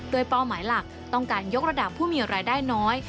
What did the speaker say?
โดยเป้าหมายหลักต้องการยกระดับผู้มีรายได้น้อย